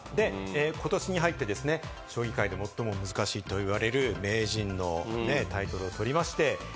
ことしに入って将棋界で最も難しいといわれる名人のタイトルを取りました。